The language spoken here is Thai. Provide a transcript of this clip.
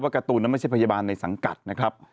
การ์ตูนนั้นไม่ใช่พยาบาลในสังกัดนะครับ